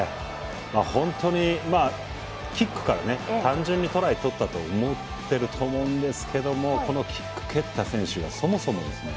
本当にキックから単純にトライとったと思ってると思うんですけどもこのキック蹴った選手がそもそもですね